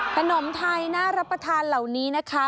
ขนมไทยน่ารับประทานเหล่านี้นะคะ